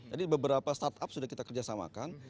jadi beberapa startup sudah kita kerjasamakan